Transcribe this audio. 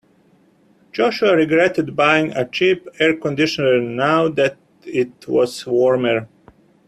Joshua regretted buying a cheap air conditioner now that it was warmer.